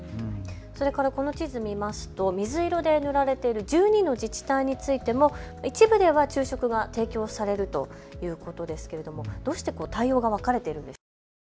それからこの地図、見ますと水色で塗られている１２の自治体についても一部では昼食が提供されるということですけれどどうして対応が分かれているんでしょうか。